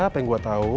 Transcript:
apa yang gue tau